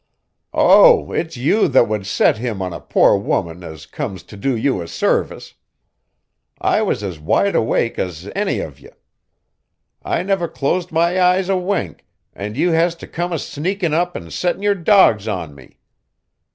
"Oh, it's you that would set him on a poor woman as comes to do you a service. I was as wide awake as any of ye. I never closed my eyes a wink, and you has to come a sneakin' up and settin' your dogs on me."